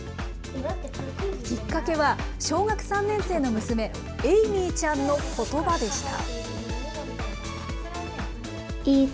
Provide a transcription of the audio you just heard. きっかけは、小学３年生の娘、エイミーちゃんのことばでした。